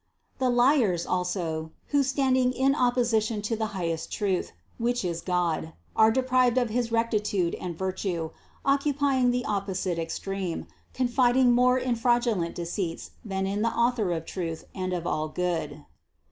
"The liars" also, who standing in opposition to the high est truth, which is God, are deprived of his rectitude and virtue, occupying the opposite extreme, confiding more in fraudulent deceits than in the Author of truth and of all good.